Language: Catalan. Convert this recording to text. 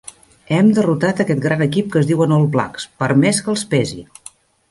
Hem derrotat aquest gran equip que es diuen All Blacks, per més que els pesi.